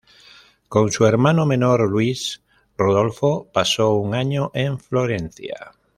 Con su hermano menor Luis, Rodolfo pasó un año en Florencia.